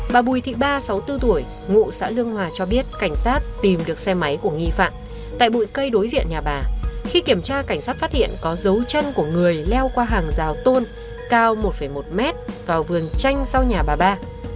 bà bùi thị ba sáu mươi bốn tuổi ngụ xã lương hòa cho biết cảnh sát tìm được xe máy của nghi phạm tại bụi cây đối diện nhà bà khi kiểm tra cảnh sát phát hiện có dấu chân của người leo qua hàng rào tôn cao một một mét vào vườn tranh sau nhà bà ba